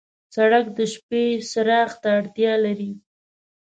سړک د شپې څراغ ته اړتیا لري.